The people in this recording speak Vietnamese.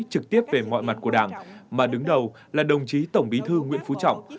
trực tiếp về mọi mặt của đảng mà đứng đầu là đồng chí tổng bí thư nguyễn phú trọng